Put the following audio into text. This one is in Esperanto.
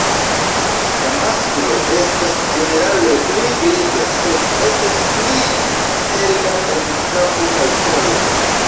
La masklo estas ĝenerale pli griza, sed estas pli hela en kapo kaj kolo.